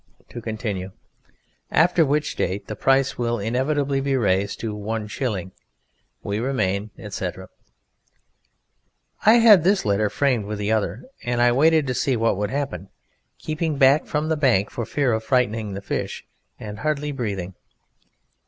To continue: _ after which date the price will inevitably be raised to One Shilling. We remain, etc._ I had this letter framed with the other, and I waited to see what would happen, keeping back from the bank for fear of frightening the fish, and hardly breathing.